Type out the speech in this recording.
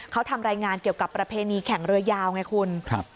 เขาทำรายงานเกี่ยวกับประเพณีแข่งเรือยาวไงคุณครับ